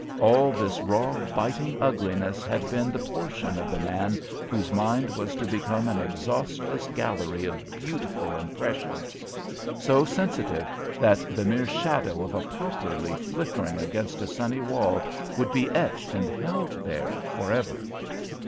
All this raw, biting ugliness had been the portion of the man whose mind was to become an exhaustless gallery of beautiful impressions so sensitive that the mere shadow of a poplar leaf flickering against a sunny wall would be etched and held there for ever.